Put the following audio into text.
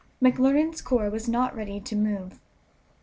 McClernand's corps was not ready to move.